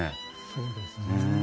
そうですね。